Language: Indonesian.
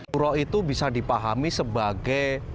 uro itu bisa dipahami sebagai